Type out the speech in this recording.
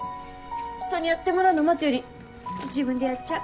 人にやってもらうの待つより自分でやっちゃう。